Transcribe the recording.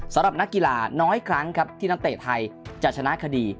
สำหรับนักกีฬาน้อยครั้งครับที่นักเตะไทยจะชนะคดี